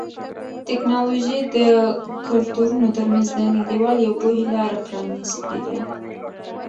ټیکنالوژي د کلتورونو ترمنځ د نږدېوالي او پوهې لاره پرانیستې ده.